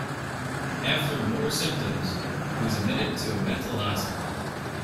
After more symptoms, he was admitted to a mental hospital.